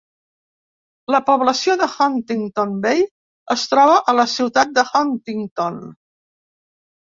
La població d'Huntington Bay es troba a la ciutat d'Huntington.